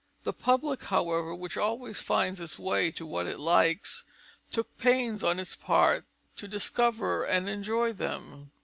The public, however, which always finds its way to what it likes, took pains on its part to discover and enjoy them.